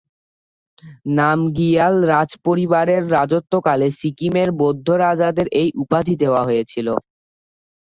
নামগিয়াল রাজপরিবারের রাজত্বকালে সিকিমের বৌদ্ধ রাজাদের এই উপাধি দেওয়া হয়েছিল।